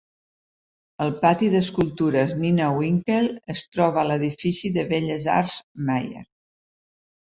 El patí d'escultures Nina Winkel es troba a l'edifici de belles arts Myers.